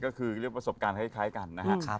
คือก็คือเลือกประสบการณ์คล้ายกันนะฮะ